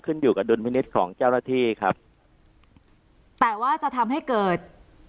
ขึ้นอยู่กับดุลพินิษฐ์ของเจ้าหน้าที่ครับแต่ว่าจะทำให้เกิด